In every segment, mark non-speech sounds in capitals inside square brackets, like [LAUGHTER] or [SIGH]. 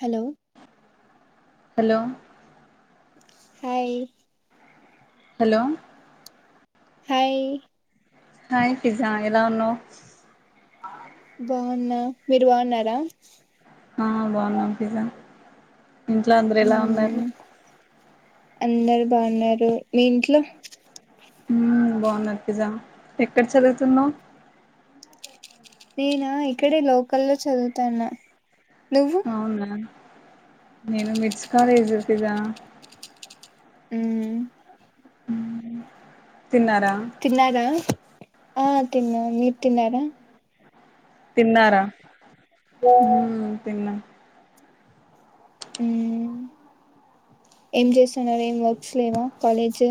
Hello hello hi hello hi hi Pooja ఎలా ఉన్నవ్ బాగున్నా మీరు బాగున్నారా ఆ బాగున్నాం పిజ్జా ఇంట్లో అందరు ఎలా మ్మ్ ఉన్నారు అందరు బాగున్నారు మీ ఇంట్లో బాగున్న పిజా ఎక్కడ చదువుతున్నావ్ నేనా ఇక్కడే లోకల్లో చదువుతాన్న నువ్వు అవునా నేను మిట్స్ కాలేజ్ ఉంటిదా ఉమ్ తిన్నారా తిన్నారో ఆ తిన్న మీర్ తిన్నారా తిన్నార ఉమ్ తిన్నా ఉమ్ ఏం చేస్తున్నారు ఏం వర్క్స్ లేవా కాలేజ్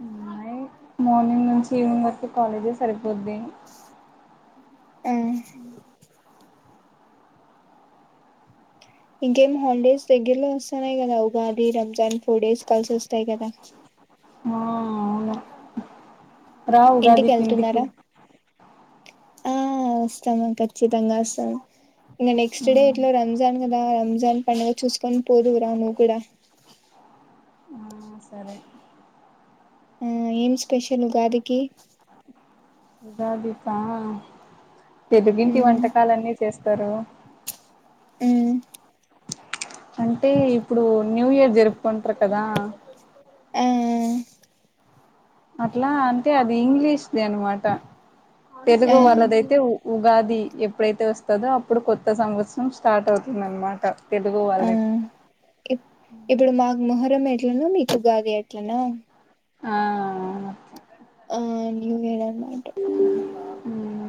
అమ్మాయి య మార్నింగ్ నుంచి ఈవినింగ్ వరకు కాలేజె సరిపోద్ది ఉమ్ ఇంకేమ్ హాలిడేస్ దెగ్గరలో వస్తన్నాయి కదా ఉగా ఈ రంజాన్ ఫోర్ డేస్ కలిసి వస్తాయి కదా మా అవును రా ఉగాదికి ఇంటికి ఉమె వస్తామ ఖచ్చితంగా వస్తాం ఇంకా నెక్స్ట్ డే మ్మ్ ఇట్ల రంజాన్ కదా రంజాన్ పండుగ చూసుకొని పోదువు రా నువ్వు కూడా ఆ సరే ఉమ్ ఏం స్పెషల్ మి డాడికి ఉగాది కా తెలుగింటి మ్మ్ వంటకాలన్నీ చేస్ చెత్తరు ఉమ్ అంటే ఇప్పుడు న్యూయర్ జరుపుకుంటరు కదా ఆ అట్లా అంటే అది ఇంగ్లీష్ ది అన్నమాట ఆ తెలుగు వాళ్ళదయితే ఉగాది ఎప్పుడైతే వస్తాదో అప్పుడు కొత్త సంవత్సరం స్టార్ట్ అవుతుందనమాట తెలుగు ఆ వాళ్ళకి ఇప్పుడు ఇప్ మాకు మొహరం ట్ల మీకు ఉగాద దె ఎట్లనా ఆయ్ ఆ న్యూయర్ ఉంటే హ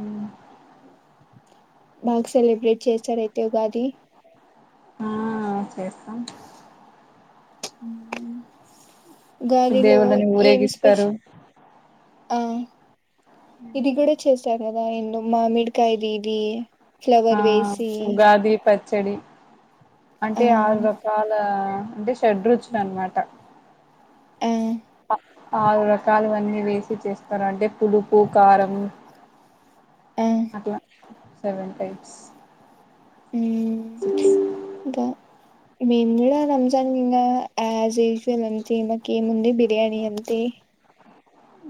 బాగ సెలెబ్రేట్ చేసారా అయితే తె ఉగాది ఆ చేస్తాం చ్ ఉహు దేవుళ్ళని ఊరేగిస్తారు అయ్ ఇది కూడా చేస్ చక్కగా ఎండు మామిడికాయది ఇది ఆ ఫ్లవర్ వేసి ఉగాది ప చ్చడీ ఆ అంటే ఆరు రకాల అంటే షడ రుచులు అనమాట ఆ ఆరు రకాలు అన్ని వేసి చేస్తారు అంటే పులుపు కారం ఆ అట్లా సెవెన్ టైప్స్ [UNINTELLIGIBLE] మేం కూడా రంజాన్ ఇంకా యాస్ యూజ్వల [INAUDIBLE] చేయడానికి ఏమిఉంది బిర్యాని అంతే ఉ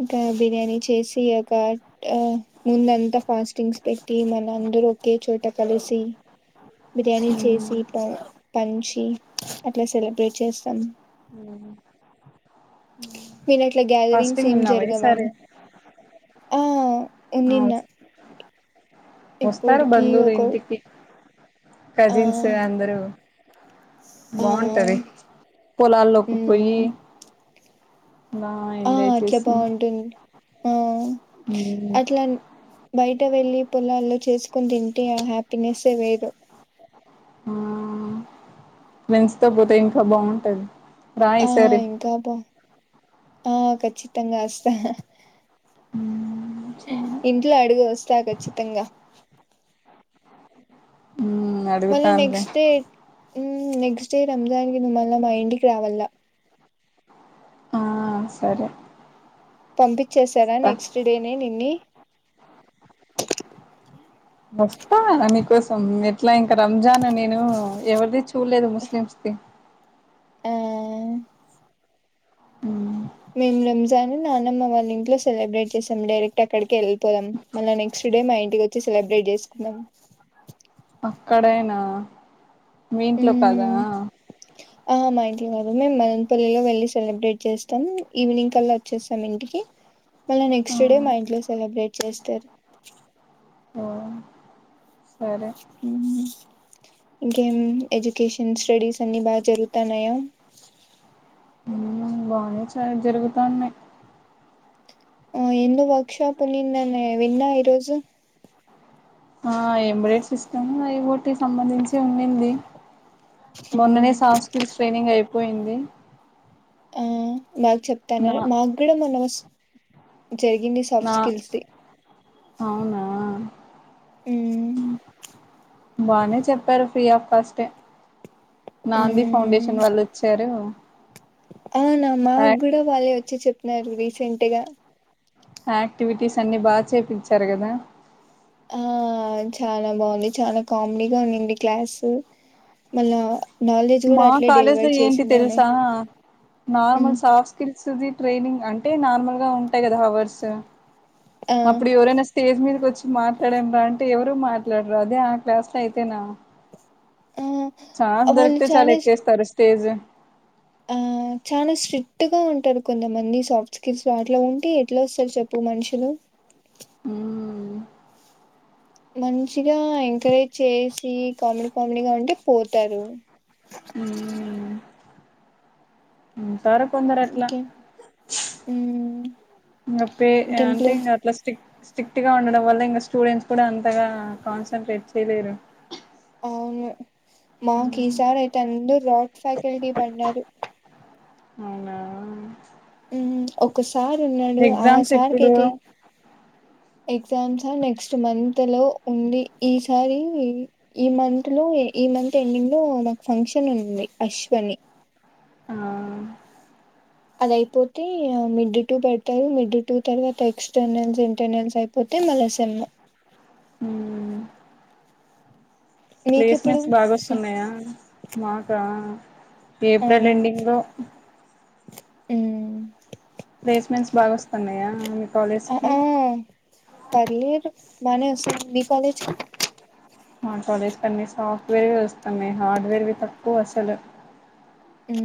ఇంకా బిర్యానీ చేసి ఒక ఆ ముంద అంతా ఫాస్టింగ్స్ పెట్టి మన అందరూ ఒకే చోట కలిసి బిర్యానీ చేసి మ్మ్ పంచి అట్లా సెలబ్రేట్ చేస్తాం అ విన్నట్ల గ్యాదరింగ్స్ ఏం ఉన్నావా ఈ జరగవా సారి ఆ ఉనిన్న వస్తారు బందువులు ఒక ఇంటికి ఆ కజిన్స్ అందరూ ఆ బాగుంటది పొలాల్లోకి పోయి మ్ బా ఆ ఎంజాయ్ అట్లా చేసి బాగుంటుంది ఆ హ్మ్ అట్లా బయట వెళ్ళి పొలాల్లో చేసుకుని తింటే ఆ హ్యాపీనెస్సే వేరు ఆ మన్స్తో పోతే ఇంకా బాగుంటది రాయి ఆ ఈ సారి ఇంకా బా ఆ ఖచ్చితంగా వస్తా ఇంట్లో అడుగు వస్తా వస్తా కచ్చితంగా మ్మ్ మన అడుగుతానులే నెక్స్ట్ డే హ్మ్ నెక్స్ట్ డే రంజాన్ మల్ళ మా ఇంటికి రావాల ఆ సరే పంపించేశారా వస్తా నెక్స్ట్ డేనే నిన్ని వస్తా మీకోసం ఎట్లా ఇంకా రంజాన్ నేను ఎవరిది చూడలేదు ముస్లిమ్స్ ది ఆ హ్మ్ మేము రంజాన్ నాన్నమ్మ వాళ్ళ ఇంట్లో సెలబ్రేట్ చేసాం డైరెక్ట్ అక్కడికి వెళ్ పోదాం మళ్ళా నెక్స్ట్ డే మా ఇంటికి వచ్చి సెలబ్రేట్ చేసుకుందాం ఇ క్కడనా మీ ఇంట్లో కదా మ్మ్ ఆ మాఇంట్లో కాదు మేము మైనపల్లిలో వెళ్ళి సెలబ్రేట్ చేస్తాం. ఈవినింగ్ కల్లా వచ్చేస్తాం ఇంటికి మళ్ళా నెక్స్ట్ డే మా ఇంట్లో సెలబ్రేట్ చేస్తారు. ఓ వేరే మ్మ్. ఇంకేం ఎజ్యుకేషన్స్ స్టడీస్ అన్ని బాగా జరుగుతాన్నాయ బాగా జరుగుతాన్నాయి. ఆ ఎందు బ [UNINTELLIGIBLE] నిన్న విన్నా ఈరోజు ఆ ఎంబ్రాయిడరీ సిస్టమ్ ఒకటి సంబంధించి ఉండింది మ్మ్. మొన్ననే సాంస్కృతిక ట్రైనింగ్ అయిపో పోయింది ఆ మాకు చెప్తాన్నారు మాకు కూడా మనం జరిగింది సాఫ్ట్ నా స్కిల్స్ది అవునా ఊ బానే చెప్పారు ఫ్రీ ఆఫ్ కాస్టే నాంది మ్మ్. ఫౌండేషన్ వాళ్ళు వచ్చారు అవునా మా గ్గూడా వాళ్ళే వచ్చి చెప్పినారు ఇవి సెంటెగా యాక్టివిటీస్ అన్ని బాగా చేపించారు కదా ఆ చాలా బాగుంది చాలా కామెడీగా ఉడి క్లాసు మళ్ళా నాలెడ్జ్ కూడా మా అట్లే కాలేజ్ డెలివర్ లో ఏంటి చేసింది ఆమె తెలుసా ఉమ్ నార్మల్ సాఫ్ట్ స్కిల్స్ ది ట్రైనింగ్ అంటే నార్మల్ గా ఉంటాయి కదా హవర్స్ ఆ అప్పుడు యెవరైనా స్టేజ్ మీదకొచ్చి మాట్లాడం రా అంటే ఎవరు మాట్లాడరా అదే ఆ క్లాస్ లో అయితేనా ఆ చాన్స్ వాళ్ళు దొరికితే చాలా చానా ఎక్కేస్తారు తేజ ఆ చాలా స్ట్రిక్ట్ గా ఉంటారు కొంతమంది సాఫ్ట్ స్కిల్స్ లో అట్లా ఉంటే ఎట్లా వస్తారు చెప్పు మనుషులు అ మనుష తిగా ఎంకరేజ్ చేసీ కామెడీ పమినిగా ఉంటే పోతారు అ ఉ ద్వర కొందరు అట్లా ఉ ఇంకా పే అంటే ఇంకా అట్లా స్టిక్ స్ట్రిక్ట్ గా ఉండడం వల్ల ఇంగ స్టూడెంట్స్ కూడా అంతగా కాన్సన్ట్రేట్ చేయలేరు అవును మాకు హ్మ్ ఈసారి అయితే అందరు రాడ్ ఫ్యాకల్టీ పడ్డారు అవునా ఊ ఒక సార్ ఉన్నాడు ఆ ఎగ్జామ్స్ సార్ కి ఎప్పుడు అయితే ఎగ్జామ్సా నెక్స్ట్ మంత్ లో ఉంది ఈసారి ఈ మంత్ లో ఈ మంత్ ఎండింగ్ లో నాకు ఫంక్షన్ ఉంది అశ్వని ఆ అదే ఇపు తే ఆ మిడ్ టూ పెడతారు మిడ్ టూ తర్వాత ఎక్స్టెర్నల్స్ ఇంటర్నల్స్ అయిపోతే మళ్ళ సెమ్మ్ మ్ మీకెప్పుడు ప్లేస్మెంట్స్ బాగాొస్తున్నాయా మాకా ఆ ఏప్రిల్ ఎండింగ్ లో మ్మ్ ప్లేస్మెంట్స్ బాగా వస్తున్నాయా మీ ఆ కాలేజ్కి ఆ పర్లేదు బానే వస్తున్నాయి మీ కాలేజికి మాట్లాడేస్తన్నా సాఫ్ట్వేర్వి వస్తున్నాయి హార్డ్వేర్వి తక్కువ అసలు హు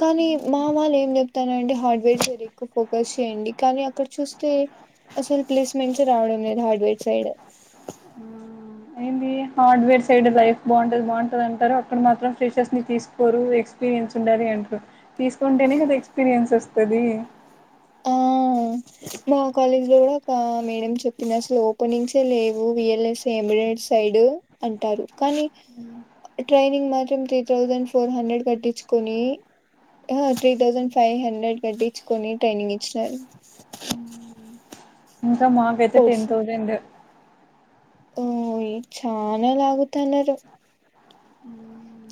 కానీ మా వాళ్ళు ఏం చెప్తానంటే హార్డ్వేర్ సైడ్ ఎక్కువ ఫోకస్ చేయండి కానీ అక్కడ చూస్తే అసలు ప్లేస్మెంట్స్ ఏ రావడం లేదు హార్డ్వేర్ సైడ్ ఉమ్ అయింది హార్డ్వేర్ సైడ్ లైఫ్ బాగుంట బాగుంటది అంటారు. అక్కడ మాత్రం ఫ్రెషర్స్ ని తీసుకోరు ఎక్స్పీరియన్స్ ఉండాలి అంటారు. తీసుకుంటేనే కదా ఎక్స్పీరియన్స్ వస్తది. ఆ మా కాలేజ్ లో కూడా ఒక మేడం చెప్పంది అసలు ఓపెనింగ్సే లేవు విఎల్ఎస్ ఎంబ్రాయిడ్ సైడ్ అంటారు. కానీ ట్రైనింగ్ మాత్రం త్రీ థౌజండ్ ఫోర్ హండ్రెడ్ కట్టించుకొని త్రీ థౌసండ్ ఫైవ్ హండ్రెడ్ కట్టించుకొని అ [UNINTELLIGIBLE] ఇంకా మాకైతే టెన్ థౌజండ్ ఓ చానా లాగుతున్నారు. ఉ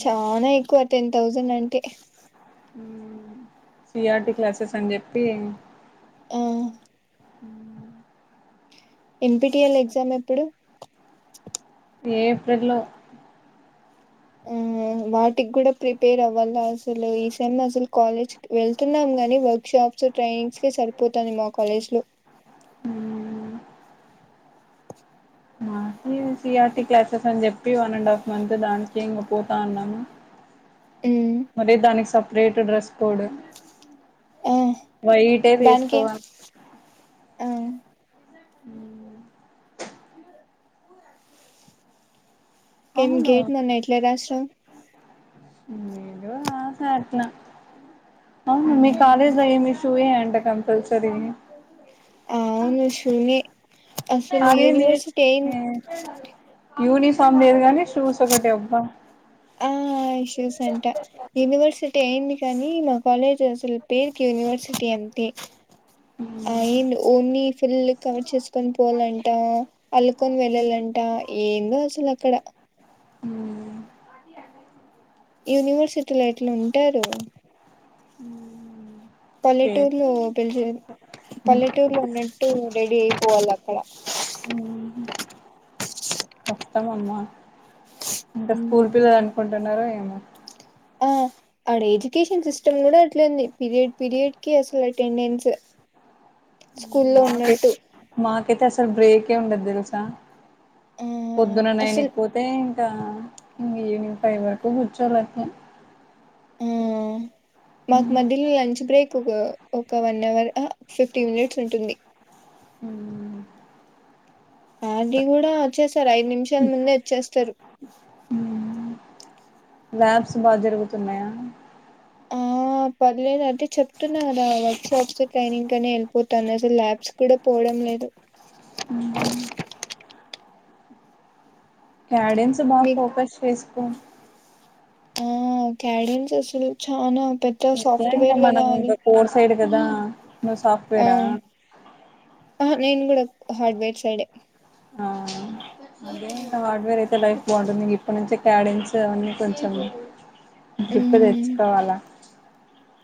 చానా ఎక్కువ టెన్ థౌజండ్ అంటే సిఆర్టి క్లాసెస్ అని చెప్పి హు హ ఎంపిటిఎల్ ఎగ్జామ్ ఎప్పుడు ఏప్రిల్ లో హు వాటికి కూడా ప్రిపేర్ అవ్వాల అసలు ఈ సెమ్ అసలు కాలేజ్ వెళ్తున్నాం గాని వక్ వర్క్ షాప్స్ ట్రైనింగ్స్కే సరిపోతుంది మా కాలేజ్లో నేను సిఆర్టీ క్లాసెస్ అని చెప్పి వన్ అండ్ హాఫ్ మంత్ దానికే ఇంక పోతా ఉన్నాము. ఉమ్ మరి దాని సాప్ రేట్ డ్రెస్ కోడ్ ఆ వైటే ఏ దానికి వేసుకోవాళ్ళ ఆ ఉమ్... ఇంకేం అవును గేట్ నిన్న ఎట్ల రాసినావ్ ఏదో రాసా అట్ల అవును మీ కాలేజి ఉమ్ లో ఏం ఇష్యూ ఎ ద కంపల్సరీ అవును శూనే అసలు అదేంది యూనివర్సిటీ అయిన్ యూనిఫామ్ లేదు గాని ఆ ఇష్యూస్ అంటా యూనివర్సిటీ ఎండి కానీ మా కాలేజ్ అసలు పేరుకి యూనివర్సిటీ అంతే అయిన్ ఉన్ని పర్లే కవర్ చేసు కొని పోలంటా అల్లుకొని వెళ్ళాలంట ఏందో అసలు అక్కడ హ యూనివర్సిటీలో ఎట్లా ఉంటారు పల్లెటూర్లో పేరు పిలిచి పల్లెటూరులో ఉండి టూ రడీ అయిపోవాల అక్కడ కష్టమమ్మా అంటే స్కూల్ పిల్లలు ఉమ్ అనుకుంటున్నారో ఏమో ఆ ఆడ ఎడ్యుకేషన్ సిస్టమ్ కూడా అట్లాంది పీరియడ్ పీరియడ్ కి అసలు అటెండెన్స్ స్కూ లో ఉన్నట్టు కైతే అసలు బ్రేక్ ఏ ఉండదు తెలుసా ఆ పొద్దున నైన్ అసలు కు పోతే ఆ ఇంగ ఈవినింగ్ ఫై వరకు గుచోవలే అటనే ఆ మాకు మధ్యలో లంచ్ బ్రేక్ ఒక ఒక వన్ అవర్ ఫిఫ్టీ మినిట్స్ ఉంటుంది అ అది కూడా వచ్చేస్తారు ఐదు నిమిషాల ముందే వచ్చేస్తారు ల్యాబ్స్ బాగా జరుగుతున్నాయా ఆ పర్లేదు అంటే చెప్తున్నారా వర్సాప్ ట్రైనింగ్ కనే వెళ్ళిపోతాను అసలు ల్యాబ్స్ కూడా పోవడం లేదు క్యాడన్స్ బాగా మీకు ఫోకస్ చేసి కోం ఆ కడిన్స్ అసలు చానా ఎత్తినంక మనము ఇంగ కోర్ సైడ్ కదా నువ్వు ఆ సాఫ్ట్వేరా ఆహా నేను కూడా హార్డ్వేడ్ సైడే ఆ అదే వా వేరైతే లైఫ్ బాగుంటుంది అప్పటి నుంచి క్యాడిన్స్ అవన్నీ కొంచెం గప్పు హ్మ్ తెచ్చుకోవాలా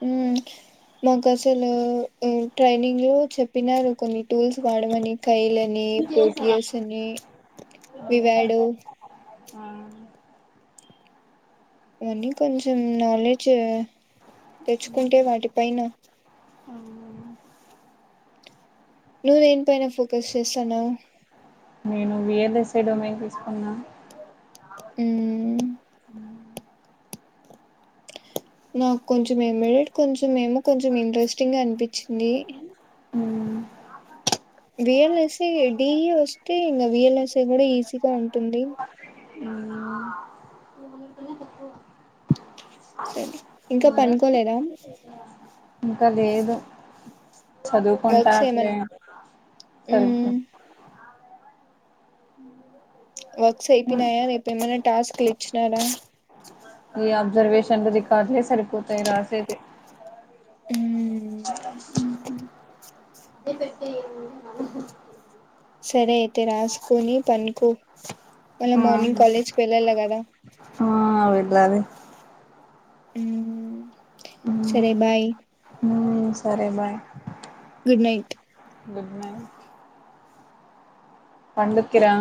హ్మ్ మాకు అసలు ట్రైనింగ్ లో చెప్పినారు కొన్ని టూల్స్ వాడమని కైలని ప్రోటీయస్ అని వివ్యాడ ఆ అనీ కొంచెం నాలెడ్జ్ చ్చ తెచ్చుకుంటే వాటిపైనా అవునా నువ్వేని పైన ఫోకస్ చేస్తాన్నావు నేను V L S A domain తీసుకున్నా ఊ నాకు కొంచెం ఏమిడెట్ కొంచెం ఏమో కొంచెం ఇంట్రెస్టింగ్ గా అనిపిచ్చింది V L S A D ఈ వస్తే ఇంగా వి ఎల్ ఎస్ ఎ కూడా ఈజీగా ఉంటుంది సరే ఇంకా పనుకోలేదా ఇంకా లేదు సదువుకుంటా వర్క్స్ అట్లే ఏమన్నా సరిపో హ్మ్ వర్క్స్ అయిపోనాయా రేపు ఏమైనా టాస్క్ లు ఇచ్చినారా రజర్వేషన్లది రీకార్డ్ లే సరిపోతాయి రాసేది మ్మ్. సరే అయితే రాసుకుని పనుకో మళ్ళ మార్నింగ్ కాలేజ్ కి వెళ్ళాల గాదా ఆ అ విల్లాలి ఊ సరే బాయ్ సరే bye good night good night పండుక్కి రా